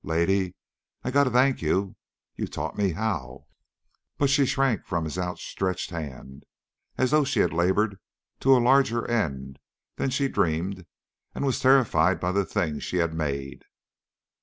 "Lady, I got to thank you. You taught me how!" But she shrank from his outstretched hand as though she had labored to a larger end than she dreamed and was terrified by the thing she had made.